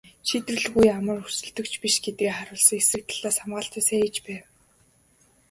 Шийдвэрлэх үед амар өрсөлдөгч биш гэдгээ харуулсан ч эсрэг талаас хамгаалалтаа сайн хийж байв.